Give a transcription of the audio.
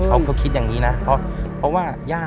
เขาคิดอย่างนี้นะ